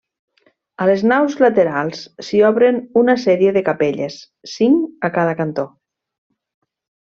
A les naus laterals s'hi obren una sèrie de capelles, cinc a cada cantó.